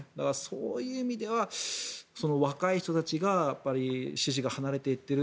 そういう意味では若い人たちが支持が離れていっている。